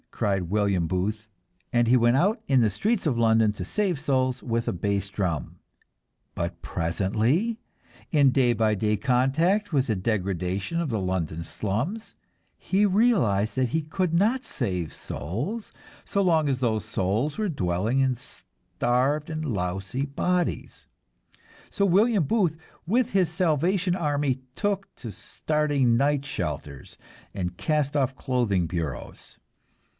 cried William Booth, and he went out in the streets of London to save souls with a bass drum; but presently, in day by day contact with the degradation of the London slums, he realized that he could not save souls so long as those souls were dwelling in starved and lousy bodies. So William Booth with his Salvation Army took to starting night shelters and cast off clothing bureaus!